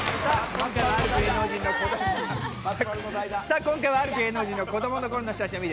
今回は、ある芸能人の子供の頃の写真を見て。